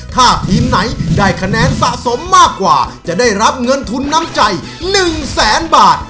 ถ้าทีมไหนได้คะแนนสะสมมากกว่าจะได้รับเงินทุนน้ำใจ๑แสนบาท